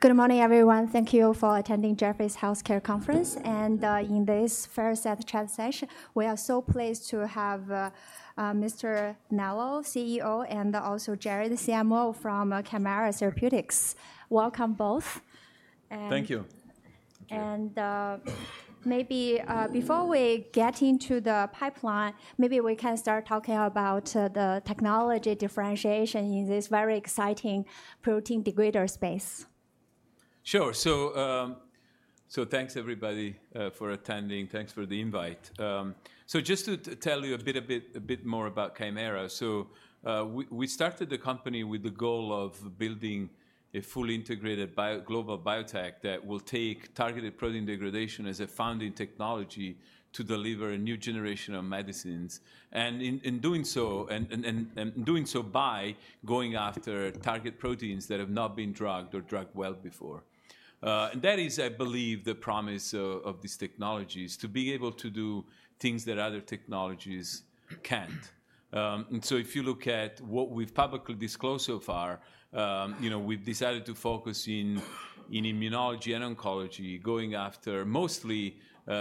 Good morning, everyone. Thank you for attending Jefferies Healthcare Conference. In this fireside chat session, we are so pleased to have Mr. Nello, CEO, and also Jared, the CMO from Kymera Therapeutics. Welcome both, and- Thank you. Thank you. Maybe, before we get into the pipeline, maybe we can start talking about the technology differentiation in this very exciting protein degrader space. Sure. So, thanks everybody for attending. Thanks for the invite. So just to tell you a bit more about Kymera. So, we started the company with the goal of building a fully integrated global biotech that will take targeted protein degradation as a founding technology to deliver a new generation of medicines. And in doing so, by going after target proteins that have not been drugged or drugged well before. And that is, I believe, the promise of this technology, is to be able to do things that other technologies can't. And so if you look at what we've publicly disclosed so far, you know, we've decided to focus in immunology and oncology, going after mostly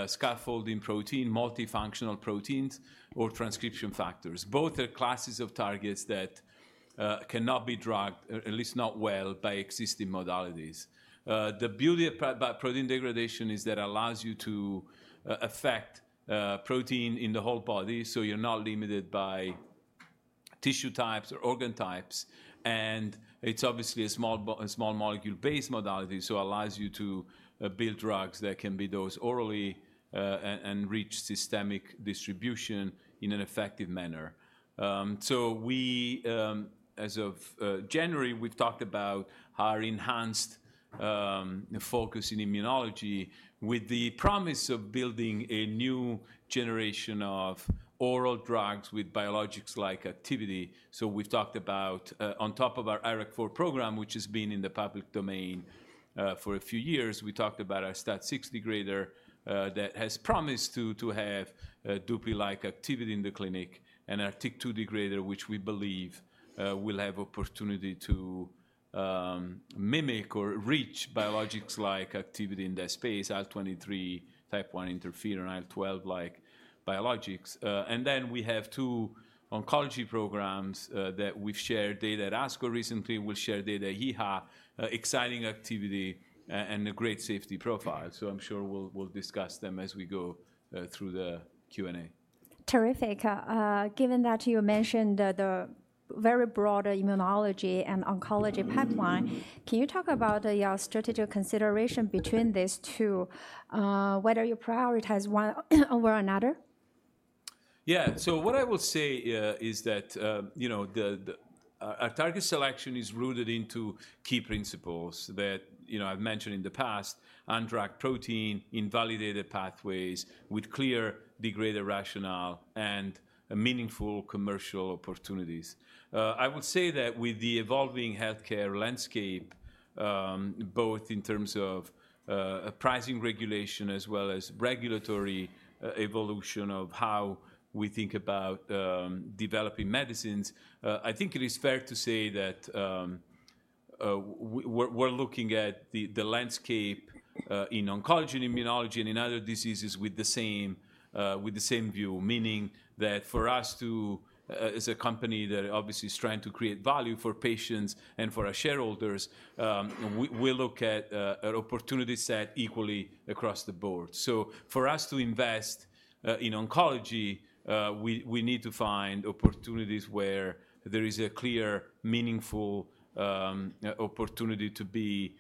scaffolding protein, multifunctional proteins, or transcription factors. Both are classes of targets that cannot be drugged, at least not well, by existing modalities. The beauty about protein degradation is that allows you to affect protein in the whole body, so you're not limited by tissue types or organ types, and it's obviously a small molecule-based modality, so allows you to build drugs that can be dosed orally and reach systemic distribution in an effective manner. So we as of January we've talked about our enhanced focus in immunology with the promise of building a new generation of oral drugs with biologics-like activity. So we've talked about on top of our IRAK4 program, which has been in the public domain for a few years. We talked about our STAT6 degrader that has promised to have Dupixent-like activity in the clinic, and our TYK2 degrader, which we believe will have opportunity to mimic or reach biologics-like activity in that space, IL-23, type I interferon, IL-12-like biologics. And then we have two oncology programs that we've shared data at ASCO recently, and we'll share data at EHA. Exciting activity and a great safety profile. So I'm sure we'll discuss them as we go through the Q&A. Terrific. Given that you mentioned the very broad immunology and oncology pipeline, can you talk about your strategic consideration between these two? Whether you prioritize one over another? Yeah. So what I will say is that, you know, our target selection is rooted into key principles that, you know, I've mentioned in the past: undrugged protein, in validated pathways with clear degrader rationale, and meaningful commercial opportunities. I would say that with the evolving healthcare landscape, both in terms of, pricing regulation as well as regulatory, evolution of how we think about, developing medicines, I think it is fair to say that, we're looking at the landscape, in oncology and immunology and in other diseases with the same, with the same view. Meaning that for us to, as a company that obviously is trying to create value for patients and for our shareholders, we look at, at opportunity set equally across the board. So for us to invest in oncology, we need to find opportunities where there is a clear, meaningful opportunity to be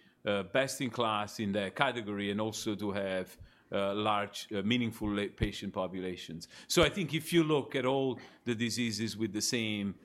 best in class in that category, and also to have large, meaningful patient populations. So I think if you look at all the diseases with the same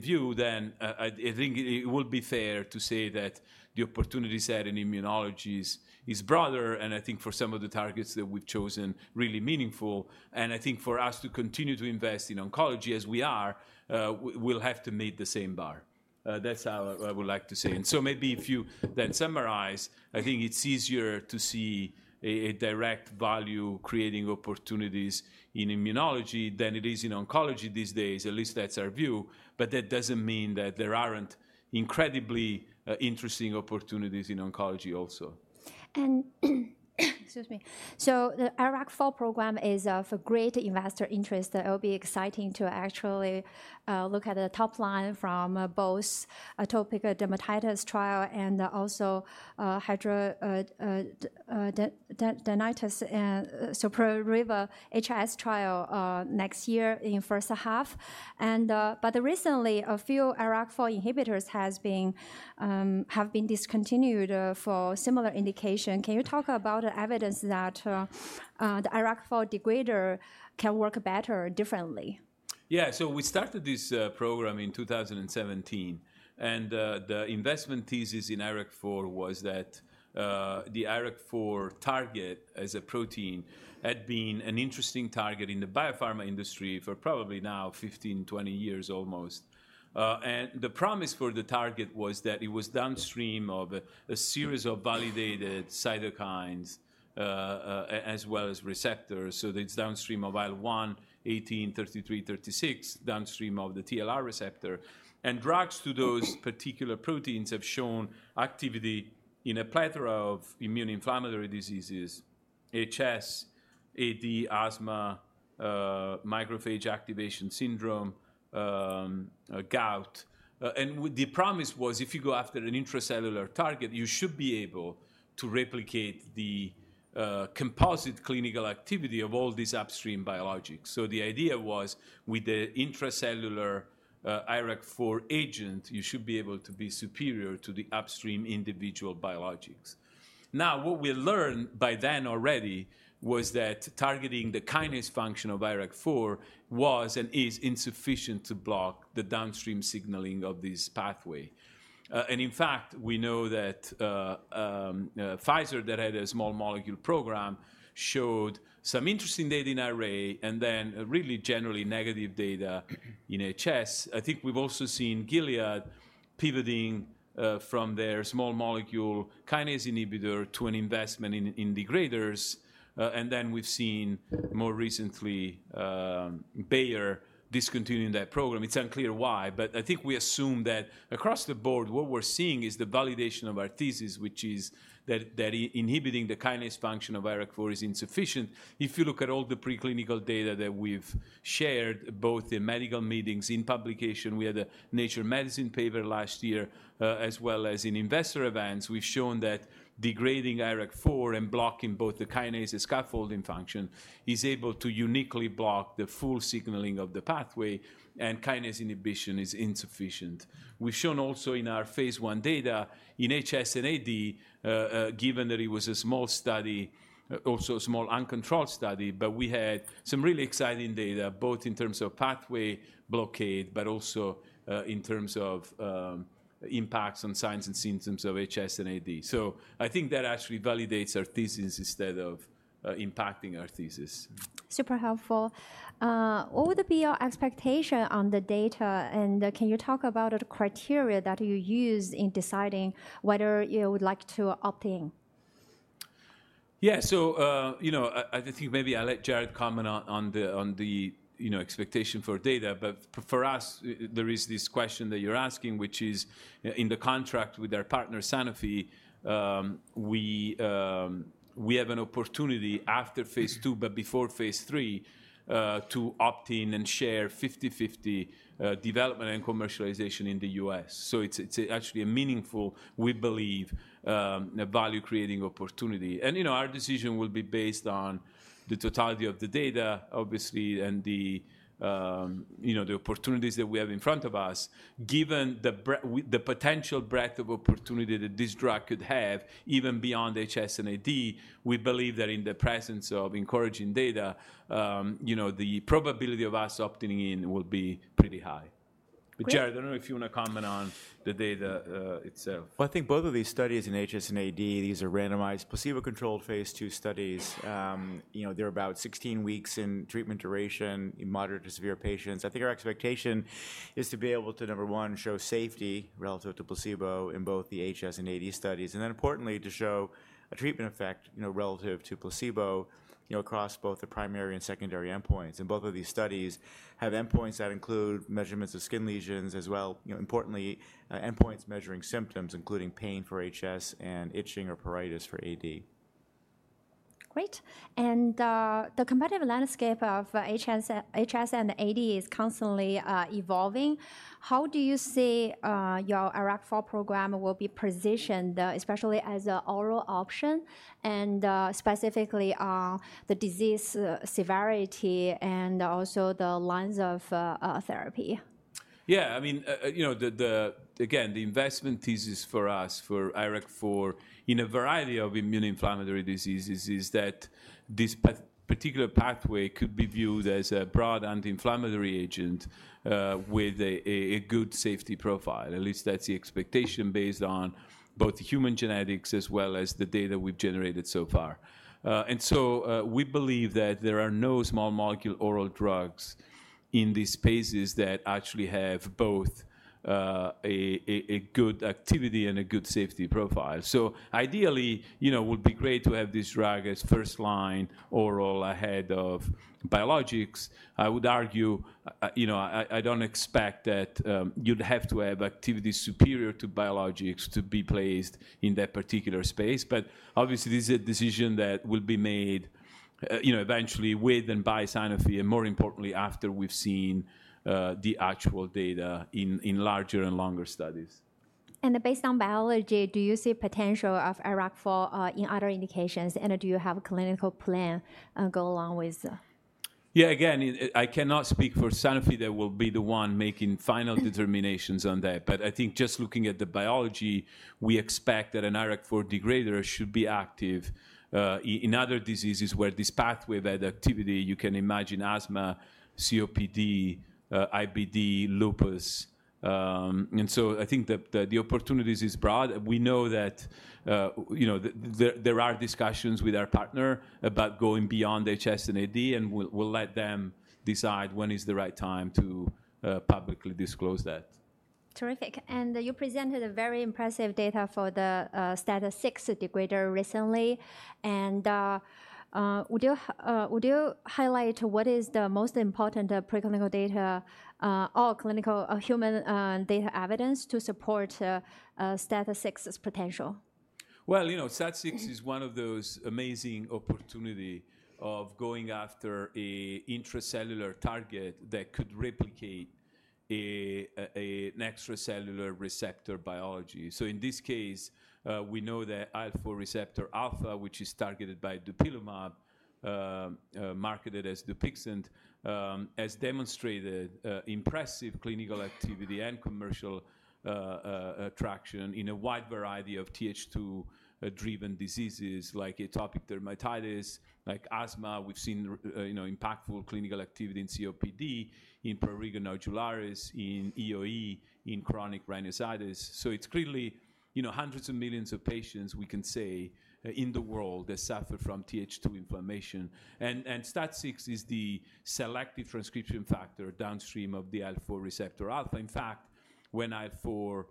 view, then I think it would be fair to say that the opportunity set in immunology is broader, and I think for some of the targets that we've chosen, really meaningful. And I think for us to continue to invest in oncology as we are, we'll have to meet the same bar. That's how I would like to say. So maybe if you then summarize, I think it's easier to see a direct value-creating opportunities in immunology than it is in oncology these days. At least that's our view, but that doesn't mean that there aren't incredibly interesting opportunities in oncology also. Excuse me. So the IRAK4 program is of great investor interest. It'll be exciting to actually look at the top line from both atopic dermatitis trial and also hidradenitis suppurativa HS trial next year in first half. But recently, a few IRAK4 inhibitors have been discontinued for similar indication. Can you talk about the evidence that the IRAK4 degrader can work better or differently? Yeah. So we started this program in 2017, and the investment thesis in IRAK4 was that the IRAK4 target as a protein had been an interesting target in the biopharma industry for probably now 15-20 years almost. And the promise for the target was that it was downstream of a series of validated cytokines as well as receptors. So it's downstream of IL-1, IL-18, IL-33, IL-36, downstream of the TLR receptor. And drugs to those particular proteins have shown activity in a plethora of immune inflammatory diseases: HS, AD, asthma, macrophage activation syndrome, gout. And the promise was if you go after an intracellular target, you should be able to replicate the composite clinical activity of all these upstream biologics. So the idea was, with the intracellular, IRAK4 agent, you should be able to be superior to the upstream individual biologics. Now, what we learned by then already was that targeting the kinase function of IRAK4 was and is insufficient to block the downstream signaling of this pathway. In fact, we know that, Pfizer, that had a small molecule program, showed some interesting data in RA, and then really generally negative data in HS. I think we've also seen Gilead pivoting from their small molecule kinase inhibitor to an investment in degraders. And then we've seen more recently, Bayer discontinuing that program. It's unclear why, but I think we assume that across the board, what we're seeing is the validation of our thesis, which is that inhibiting the kinase function of IRAK4 is insufficient. If you look at all the preclinical data that we've shared, both in medical meetings, in publication, we had a Nature Medicine paper last year, as well as in investor events, we've shown that degrading IRAK4 and blocking both the kinase and scaffolding function is able to uniquely block the full signaling of the pathway, and kinase inhibition is insufficient. We've shown also in our phase I data, in HS and AD, given that it was a small study, also a small uncontrolled study, but we had some really exciting data, both in terms of pathway blockade, but also, in terms of, impacts on signs and symptoms of HS and AD. So I think that actually validates our thesis instead of impacting our thesis. Super helpful. What would be your expectation on the data, and can you talk about the criteria that you use in deciding whether you would like to opt in? Yeah. So, you know, I think maybe I'll let Jared comment on the expectation for data. But for us, there is this question that you're asking, which is, in the contract with our partner, Sanofi, we have an opportunity after phase II, but before phase III, to opt in and share 50/50 development and commercialization in the U.S. So it's actually a meaningful, we believe, value-creating opportunity. And, you know, our decision will be based on the totality of the data, obviously, and the opportunities that we have in front of us. Given the potential breadth of opportunity that this drug could have, even beyond HS and AD, we believe that in the presence of encouraging data, you know, the probability of us opting in will be pretty high. Great. But, Jared, I don't know if you want to comment on the data itself. Well, I think both of these studies in HS and AD, these are randomized, placebo-controlled phase II studies. You know, they're about 16 weeks in treatment duration in moderate to severe patients. I think our expectation is to be able to, number one, show safety relative to placebo in both the HS and AD studies, and then importantly, to show a treatment effect, you know, relative to placebo, you know, across both the primary and secondary endpoints. And both of these studies have endpoints that include measurements of skin lesions as well, you know, importantly, endpoints measuring symptoms, including pain for HS and itching or pruritus for AD. Great. The competitive landscape of HS and AD is constantly evolving. How do you see your IRAK4 program will be positioned, especially as a oral option and specifically the disease severity and also the lines of therapy? Yeah, I mean, you know, the, the, again, the investment thesis for us, for IRAK4, in a variety of immunoinflammatory diseases is that this particular pathway could be viewed as a broad anti-inflammatory agent, with a good safety profile. At least that's the expectation based on both human genetics as well as the data we've generated so far. And so, we believe that there are no small molecule oral drugs in these spaces that actually have both, a good activity and a good safety profile. So ideally, you know, it would be great to have this drug as first-line oral ahead of biologics. I would argue, you know, I don't expect that you'd have to have activity superior to biologics to be placed in that particular space. But obviously, this is a decision that will be made, you know, eventually with and by Sanofi, and more importantly, after we've seen the actual data in larger and longer studies. Based on biology, do you see potential of IRAK4 in other indications, and do you have a clinical plan go along with that? Yeah, again, I cannot speak for Sanofi. They will be the one making final determinations on that. But I think just looking at the biology, we expect that an IRAK4 degrader should be active in other diseases where this pathway had activity. You can imagine asthma, COPD, IBD, lupus. And so I think the opportunities is broad. We know that you know there are discussions with our partner about going beyond HS and AD, and we'll let them decide when is the right time to publicly disclose that. Terrific. And you presented a very impressive data for the STAT6 degrader recently, and would you highlight what is the most important preclinical data or clinical or human data evidence to support STAT6's potential?... Well, you know, STAT6 is one of those amazing opportunity of going after an intracellular target that could replicate an extracellular receptor biology. So in this case, we know that IL-4 receptor alpha, which is targeted by dupilumab, marketed as Dupixent, has demonstrated impressive clinical activity and commercial traction in a wide variety of Th2-driven diseases like atopic dermatitis, like asthma. We've seen, you know, impactful clinical activity in COPD, in prurigo nodularis, in EoE, in chronic rhinosinusitis. So it's clearly, you know, hundreds of millions of patients we can say in the world that suffer from Th2 inflammation. And STAT6 is the selective transcription factor downstream of the IL-4 receptor alpha. In fact, when IL-4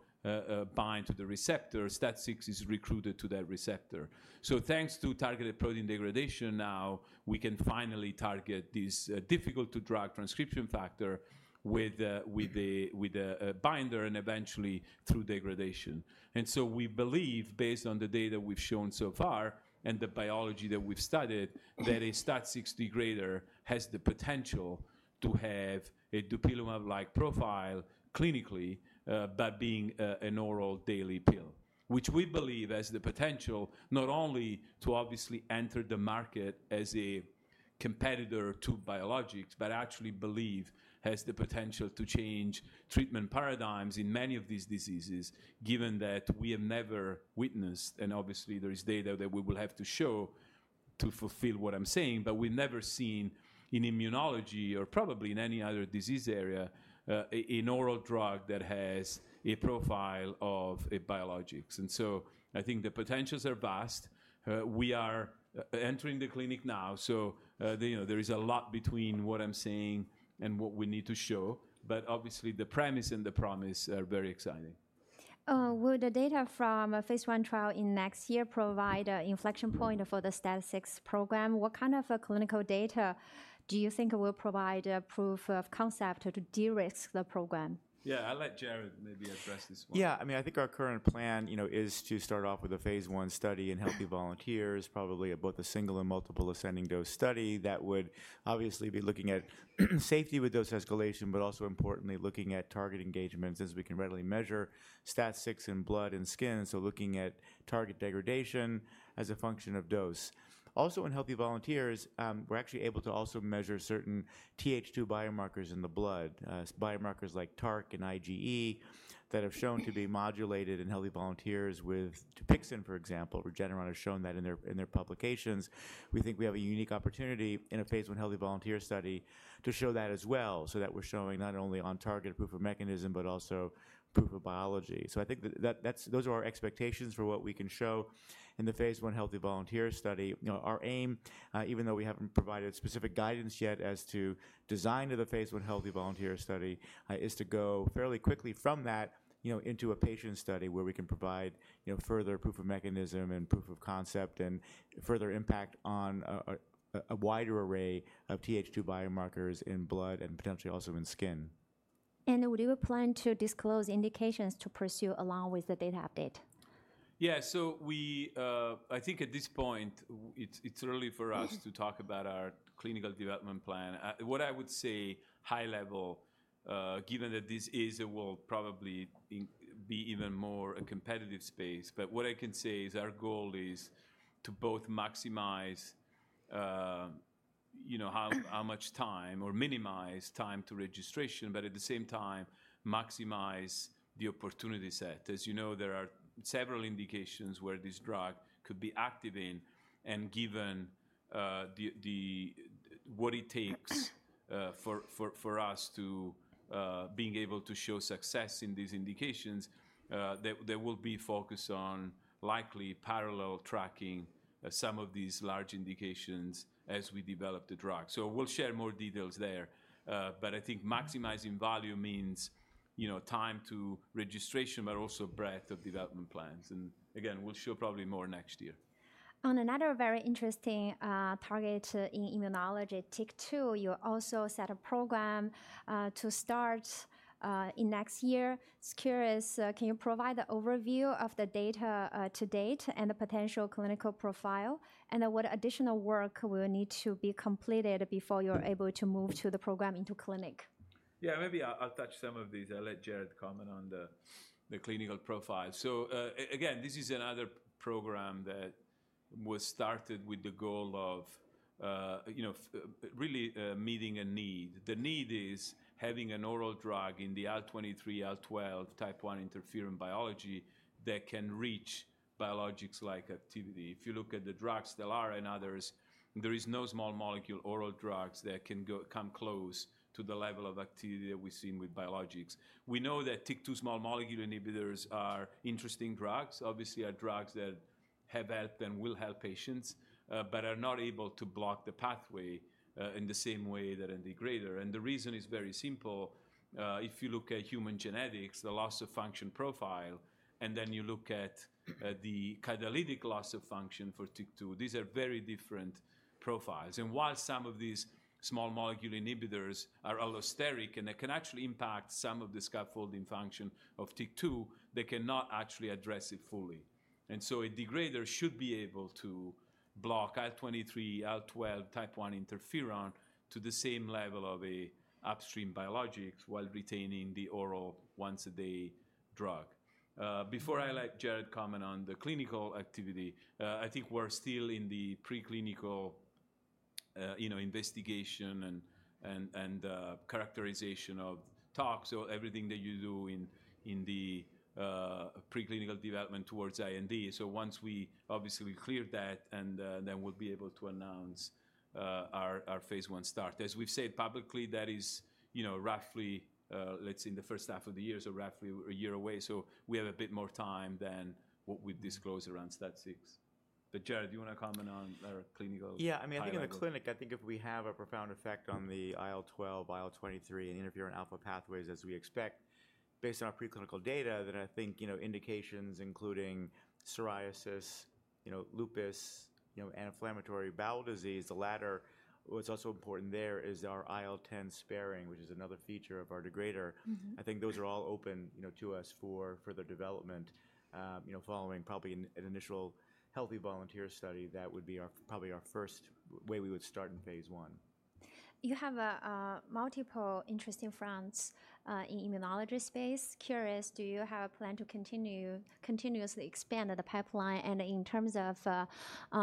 bind to the receptor, STAT6 is recruited to that receptor. So thanks to targeted protein degradation now, we can finally target this difficult-to-drug transcription factor with a binder and eventually through degradation. And so we believe, based on the data we've shown so far and the biology that we've studied, that a STAT6 degrader has the potential to have a dupilumab-like profile clinically, but being an oral daily pill, which we believe has the potential not only to obviously enter the market as a competitor to biologics, but actually believe has the potential to change treatment paradigms in many of these diseases, given that we have never witnessed, and obviously there is data that we will have to show to fulfill what I'm saying, but we've never seen in immunology or probably in any other disease area, an oral drug that has a profile of a biologics. I think the potentials are vast. We are entering the clinic now, so, you know, there is a lot between what I'm saying and what we need to show, but obviously the premise and the promise are very exciting. Will the data from a phase trial in next year provide a inflection point for the STAT6 program? What kind of a clinical data do you think will provide a proof of concept to de-risk the program? Yeah, I'll let Jared maybe address this one. Yeah, I mean, I think our current plan, you know, is to start off with a phase I study in healthy volunteers, probably at both a single and multiple ascending dose study. That would obviously be looking at safety with dose escalation, but also importantly, looking at target engagements as we can readily measure STAT6 in blood and skin, so looking at target degradation as a function of dose. Also, in healthy volunteers, we're actually able to also measure certain Th2 biomarkers in the blood, biomarkers like TARC and IgE, that have shown to be modulated in healthy volunteers with Dupixent, for example. Regeneron has shown that in their, in their publications. We think we have a unique opportunity in a phase I healthy volunteer study to show that as well, so that we're showing not only on target proof of mechanism, but also proof of biology. So I think that, that's those are our expectations for what we can show in the phase I healthy volunteer study. You know, our aim, even though we haven't provided specific guidance yet as to design of the phase I healthy volunteer study, is to go fairly quickly from that, you know, into a patient study where we can provide, you know, further proof of mechanism and proof of concept, and further impact on a wider array of Th2 biomarkers in blood and potentially also in skin. Would you plan to disclose indications to pursue along with the data update? Yeah. So we, I think at this point, it's, it's early for us to talk about our clinical development plan. What I would say high level, given that this is a world probably in-- be even more a competitive space, but what I can say is our goal is to both maximize, you know, how much time or minimize time to registration, but at the same time, maximize the opportunity set. As you know, there are several indications where this drug could be active in, and given, the, the, what it takes for, for, for us to, being able to show success in these indications, there, there will be focus on likely parallel tracking, some of these large indications as we develop the drug. We'll share more details there, but I think maximizing value means, you know, time to registration, but also breadth of development plans. Again, we'll show probably more next year. On another very interesting target in immunology, TYK2, you also set a program to start in next year. Just curious, can you provide an overview of the data to date and the potential clinical profile, and then what additional work will need to be completed before you're able to move to the program into clinic? Yeah, maybe I'll touch some of these. I'll let Jared comment on the clinical profile. So, again, this is another program that was started with the goal of, you know, really meeting a need. The need is having an oral drug in the IL-23, IL-12 type one interferon biology that can reach biologics-like activity. If you look at the drugs, Stelara and others, there is no small molecule oral drugs that can come close to the level of activity that we've seen with biologics. We know that TYK2 small molecule inhibitors are interesting drugs. Obviously, are drugs that have helped and will help patients, but are not able to block the pathway in the same way that a degrader, and the reason is very simple. If you look at human genetics, the loss-of-function profile, and then you look at the catalytic loss of function for TYK2, these are very different profiles. And while some of these small molecule inhibitors are allosteric, and they can actually impact some of the scaffolding function of TYK2, they cannot actually address it fully. And so a degrader should be able to block IL-23, IL-12, type one interferon to the same level of a upstream biologics while retaining the oral once-a-day drug. Before I let Jared comment on the clinical activity, I think we're still in the preclinical, you know, investigation and characterization of TYK2 or everything that you do in the preclinical development towards IND. So once we obviously clear that, and then we'll be able to announce our phase I start. As we've said publicly, that is, you know, roughly, let's say in the first half of the year, so roughly a year away. So we have a bit more time than what we've disclosed around STAT6. But Jared, do you want to comment on our clinical- Yeah, I mean, I think in the clinic, I think if we have a profound effect on the IL-12, IL-23, and interferon alpha pathways, as we expect, based on our preclinical data, then I think, you know, indications including psoriasis, you know, lupus, you know, inflammatory bowel disease, the latter, what's also important there is our IL-10 sparing, which is another feature of our degrader. Mm-hmm. I think those are all open, you know, to us for further development, following probably an initial healthy volunteer study, that would be our first way we would start in phase I. You have multiple interesting fronts in immunology space. Curious, do you have a plan to continuously expand the pipeline? And in terms of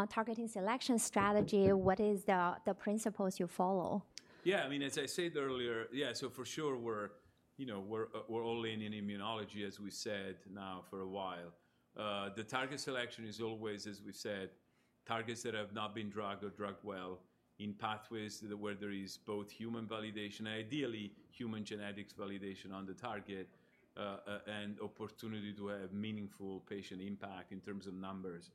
targeting selection strategy, what is the principles you follow? Yeah, I mean, as I said earlier, yeah, so for sure, we're, you know, we're all in in immunology, as we said now for a while. The target selection is always, as we said, targets that have not been drugged or drugged well in pathways where there is both human validation, ideally human genetics validation on the target, and opportunity to have meaningful patient impact in terms of numbers.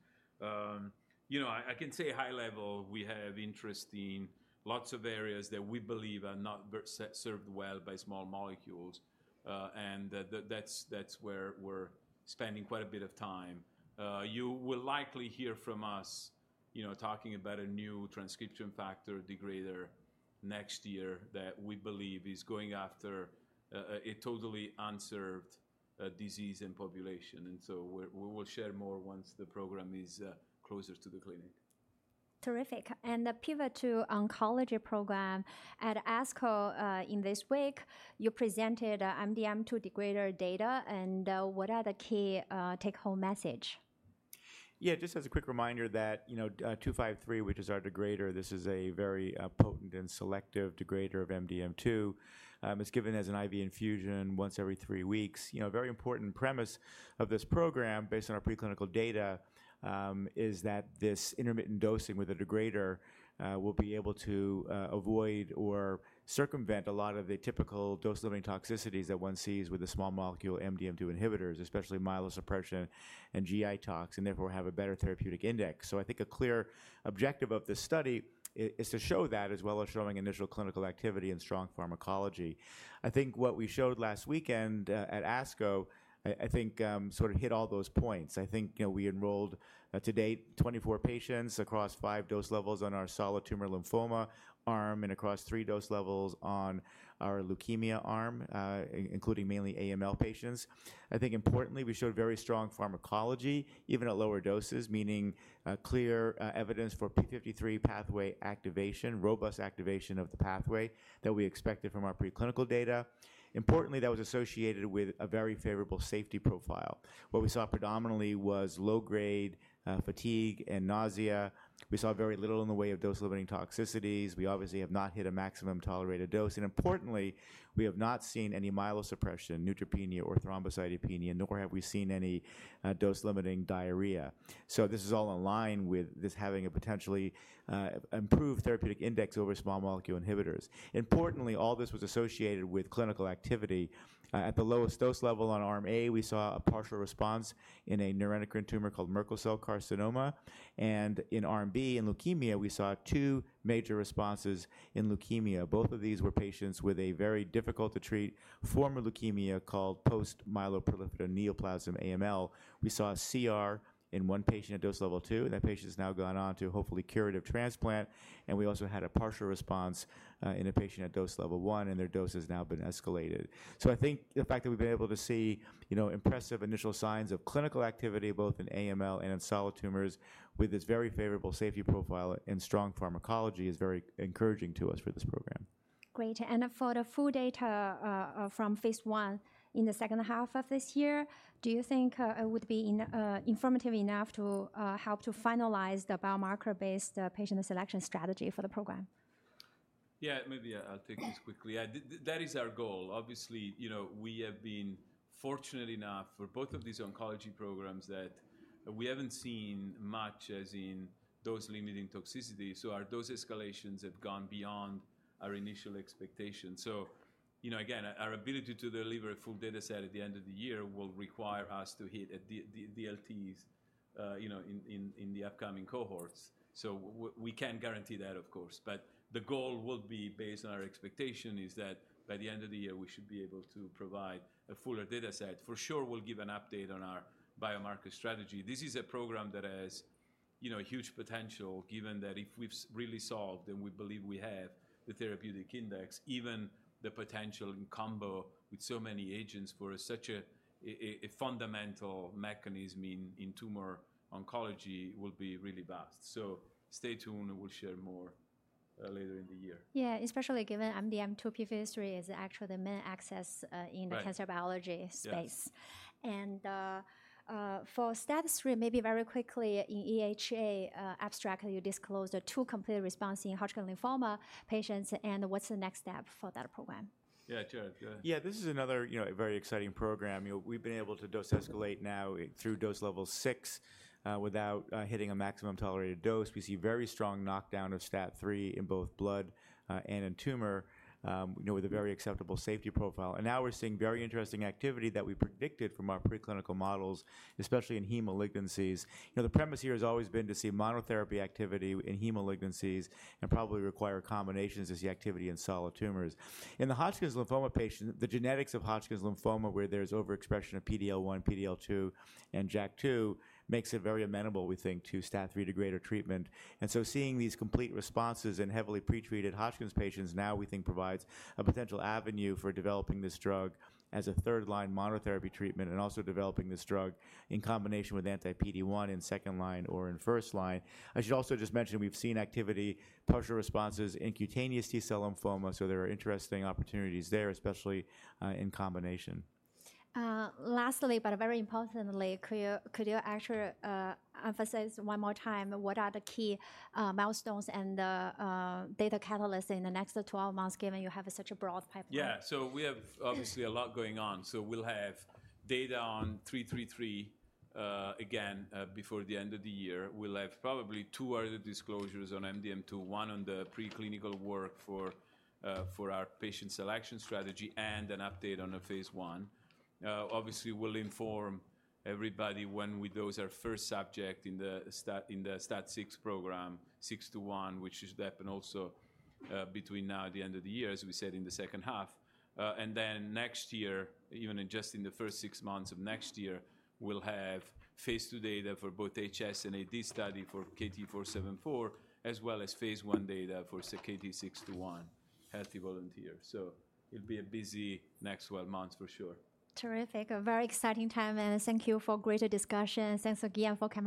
You know, I can say high level, we have interest in lots of areas that we believe are not well served by small molecules, and that's where we're spending quite a bit of time. You will likely hear from us, you know, talking about a new transcription factor degrader next year that we believe is going after a totally underserved disease and population, and so we will share more once the program is closer to the clinic. Terrific. The pivot to oncology program at ASCO, in this week, you presented a MDM2 degrader data, and what are the key take-home message? Yeah, just as a quick reminder that, you know, KT-253, which is our degrader, this is a very potent and selective degrader of MDM2. It's given as an IV infusion once every three weeks. You know, a very important premise of this program, based on our preclinical data, is that this intermittent dosing with a degrader will be able to avoid or circumvent a lot of the typical dose-limiting toxicities that one sees with the small molecule MDM2 inhibitors, especially myelosuppression and GI tox, and therefore, have a better therapeutic index. So I think a clear objective of this study is to show that, as well as showing initial clinical activity and strong pharmacology. I think what we showed last weekend at ASCO sort of hit all those points. I think, you know, we enrolled to date, 24 patients across five dose levels on our solid tumor lymphoma arm and across three dose levels on our leukemia arm, including mainly AML patients. I think importantly, we showed very strong pharmacology, even at lower doses, meaning clear evidence for p53 pathway activation, robust activation of the pathway that we expected from our preclinical data. Importantly, that was associated with a very favorable safety profile. What we saw predominantly was low grade fatigue and nausea. We saw very little in the way of dose-limiting toxicities. We obviously have not hit a maximum tolerated dose, and importantly, we have not seen any myelosuppression, neutropenia, or thrombocytopenia, nor have we seen any dose-limiting diarrhea. So this is all in line with this having a potentially improved therapeutic index over small molecule inhibitors. Importantly, all this was associated with clinical activity. At the lowest dose level on arm A, we saw a partial response in a neuroendocrine tumor called Merkel cell carcinoma, and in arm B, in leukemia, we saw two major responses in leukemia. Both of these were patients with a very difficult-to-treat form of leukemia called post-myeloproliferative neoplasm AML. We saw CR in one patient at dose level two, and that patient has now gone on to hopefully curative transplant, and we also had a partial response, in a patient at dose level one, and their dose has now been escalated. So I think the fact that we've been able to see, you know, impressive initial signs of clinical activity, both in AML and in solid tumors, with this very favorable safety profile and strong pharmacology, is very encouraging to us for this program. Great. For the full data from phase I in the second half of this year, do you think it would be informative enough to help to finalize the biomarker-based patient selection strategy for the program? Yeah, maybe I'll take this quickly. That is our goal. Obviously, you know, we have been fortunate enough for both of these oncology programs that we haven't seen much as in dose-limiting toxicity, so our dose escalations have gone beyond our initial expectations. So, you know, again, our ability to deliver a full data set at the end of the year will require us to hit at the, the DLTs, you know, in the upcoming cohorts. So we can't guarantee that, of course, but the goal will be based on our expectation, is that by the end of the year, we should be able to provide a fuller data set. For sure, we'll give an update on our biomarker strategy. This is a program that has, you know, huge potential, given that if we've really solved, and we believe we have, the therapeutic index. Even the potential in combo with so many agents for such a fundamental mechanism in tumor oncology will be really vast. So stay tuned, and we'll share more later in the year. Yeah, especially given MDM2 p53 is actually the main axis, in the- Right cancer biology space. Yes. And, for STAT3, maybe very quickly, in EHA abstract, you disclosed two complete response in Hodgkin Lymphoma patients, and what's the next step for that program? Yeah, sure. Go ahead. Yeah, this is another, you know, very exciting program. You know, we've been able to dose escalate now through dose level six without hitting a maximum tolerated dose. We see very strong knockdown of STAT3 in both blood and in tumor, you know, with a very acceptable safety profile. And now we're seeing very interesting activity that we predicted from our preclinical models, especially in heme malignancies. You know, the premise here has always been to see monotherapy activity in heme malignancies and probably require combinations to see activity in solid tumors. In the Hodgkin's lymphoma patient, the genetics of Hodgkin's lymphoma, where there's overexpression of PD-L1, PD-L2, and JAK2, makes it very amenable, we think, to STAT3 degrader treatment. And so seeing these complete responses in heavily pretreated Hodgkin patients now we think provides a potential avenue for developing this drug as a third-line monotherapy treatment and also developing this drug in combination with anti-PD-1 in second line or in first line. I should also just mention we've seen activity, partial responses in cutaneous T-cell lymphoma, so there are interesting opportunities there, especially, in combination. Lastly, but very importantly, could you actually emphasize one more time what are the key milestones and the data catalysts in the next 12 months, given you have such a broad pipeline? Yeah. So we have obviously a lot going on. So we'll have data on KT-333, again, before the end of the year. We'll have probably two early disclosures on MDM2, one on the preclinical work for our patient selection strategy and an update on a phase I. Obviously, we'll inform everybody when we dose our first subject in the STAT6 program, KT-621, which should happen also between now and the end of the year, as we said, in the second half. And then next year, even just in the first six months of next year, we'll have phase II data for both HS and AD study for KT-474, as well as phase I data for KT-621, healthy volunteer. So it'll be a busy next 12 months for sure. Terrific. A very exciting time, and thank you for great discussion. Thanks again for coming.